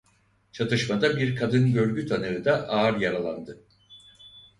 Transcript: Çatışmada bir kadın görgü tanığı da ağır yaralandı.